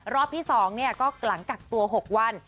รอบที่๒ก็หลังกักตัว๖วัน